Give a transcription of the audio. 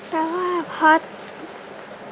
แปลว่าเพราะ